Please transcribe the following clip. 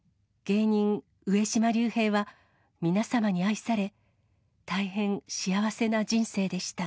芸人上島竜兵は、皆様に愛され、大変幸せな人生でした。